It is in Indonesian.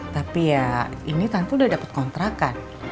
tapi ya ini tante udah dapat kontrakan